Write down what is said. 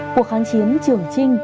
cuộc kháng chiến trường trinh